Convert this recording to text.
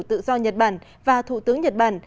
tự do nhật bản và thủ tướng nhật bản